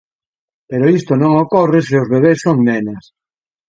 Pero isto non ocorre se os bebés son nenas.